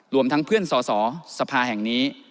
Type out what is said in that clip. รวมทั้งเพื่อนสอสอสภาแห่งนี้